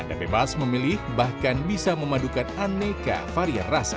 anda bebas memilih bahkan bisa memadukan aneka varian rasa